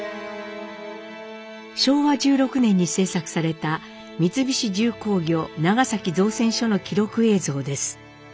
昭和１６年に制作された三菱重工業長崎造船所の記録映像です。